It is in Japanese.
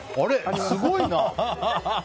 すごいな。